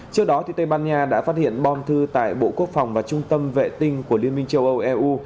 trước đó tây ban nha đã phát hiện bom thư tại bộ quốc phòng và trung tâm vệ tinh của liên minh châu âu eu